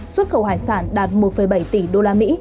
xuất khẩu hải sản đạt một bảy tỷ usd